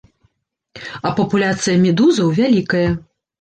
А папуляцыя медузаў вялікая.